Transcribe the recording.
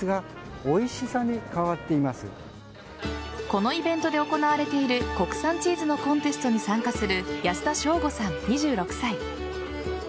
このイベントで行われている国産チーズのコンテストに参加する安田翔吾さん、２６歳。